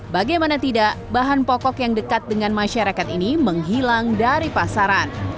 bagaimana tidak bahan pokok yang dekat dengan masyarakat ini menghilang dari pasaran